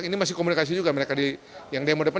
ini masih komunikasi juga mereka yang demo depan